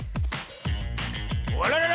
あららら